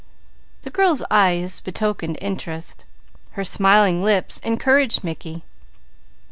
The girl's eyes betokened interest; her smiling lips encouraged Mickey.